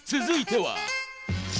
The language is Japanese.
続いては。